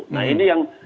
nah ini yang